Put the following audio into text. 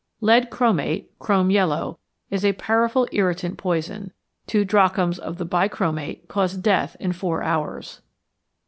Lead chromate (chrome yellow) is a powerful irritant poison. Two drachms of the bichromate caused death in four hours.